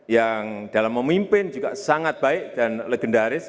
yang dalam memimpin juga sangat baik dan legendaris